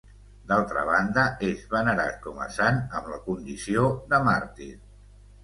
D'altra banda, és venerat com a sant amb la condició de màrtir.